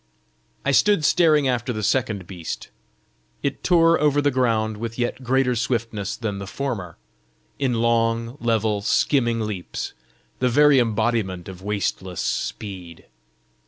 I stood staring after the second beast. It tore over the ground with yet greater swiftness than the former in long, level, skimming leaps, the very embodiment of wasteless speed.